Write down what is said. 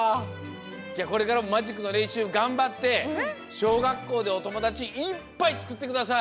じゃあこれからもマジックのれんしゅうがんばってしょうがっこうでおともだちいっぱいつくってください。